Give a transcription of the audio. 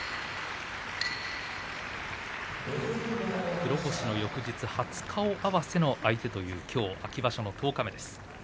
黒星の翌日、初顔合わせの相手というきょう秋場所の十日目です。